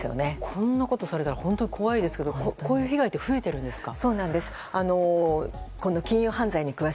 こんなことされたら本当に怖いですけどこういう被害って増えているんですか？